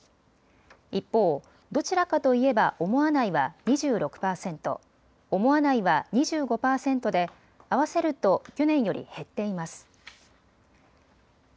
一方、どちらかといえば思わないは２６％、思わないは２５％で合わせると去年より減っています。